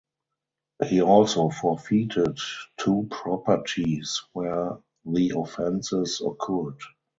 He also forfeited two properties where the offences occurred.